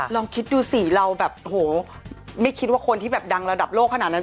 ลองคิดดูสิเราแบบโหไม่คิดว่าคนที่แบบดังระดับโลกขนาดนั้น